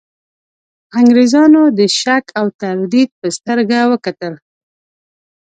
انګرېزانو د شک او تردید په سترګه وکتل.